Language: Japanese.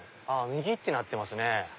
右ってなってますね。